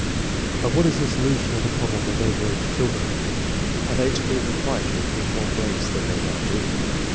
But what is the solution of the problem of over age children? Are they to be required to repeat more grades than they now do?